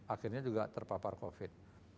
akhirnya juga terpapar covid